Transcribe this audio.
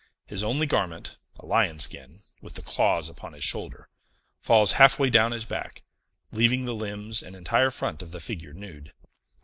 His only garment a lion's skin, with the claws upon his shoulder falls halfway down his back, leaving the limbs and entire front of the figure nude.